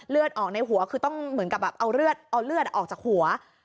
เลือดออกในหัวคือต้องเหมือนกับแบบเอาเลือดออกจากหัว